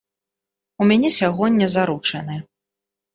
У мяне сягоння заручыны.